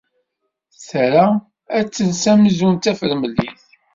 Tra ad d-tels amzun d tafremlit.